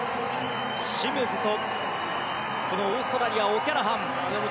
シムズとオーストラリアのオキャラハン。